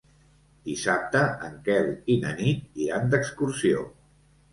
Dissabte en Quel i na Nit iran d'excursió.